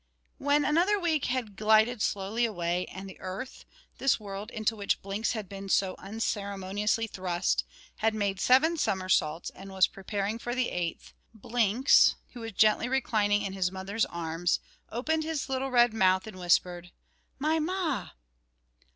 _ When another week had glided slowly away, and the earth this world into which Blinks had been so unceremoniously thrust had made seven somersaults and was preparing for the eighth, Blinks, who was gently reclining in his mother's arms, opened his little red mouth and whispered "My ma!"